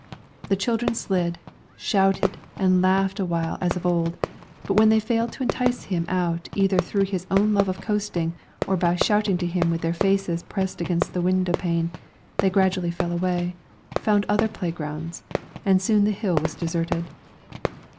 The children slid, shouted, and laughed a while as of old, but when they failed to entice him out either through his own love of coasting, or by shouting to him with their faces pressed against the window pane, they gradually fell away, found other playgrounds, and soon the hill was deserted.